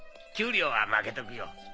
給料はまけとくよ